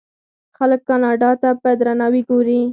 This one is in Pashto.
خلک کاناډا ته په درناوي ګوري.